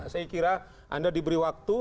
saya kira anda diberi waktu